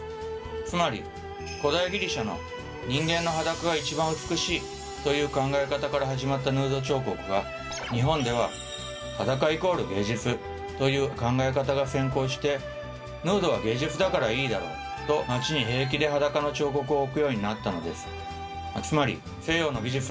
つまり古代ギリシャの「人間の裸が一番美しい」という考え方から始まったヌード彫刻が日本では「裸＝芸術」という考え方が先行してヌードは芸術だからいいだろうと街に平気で裸の彫刻を置くようになったのです。